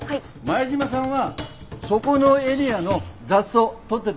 前島さんはそこのエリアの雑草取ってって下さい。